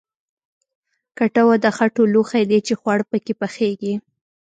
کټوه د خټو لوښی دی چې خواړه پکې پخیږي